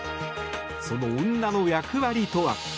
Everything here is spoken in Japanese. その女の役割とは？